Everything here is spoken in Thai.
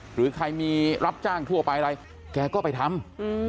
หรือใครมีรับจ้างทั่วไปอะไรแกก็ไปทำ